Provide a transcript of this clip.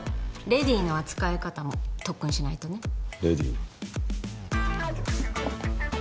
レディーの扱い方も特訓しないとねレディー？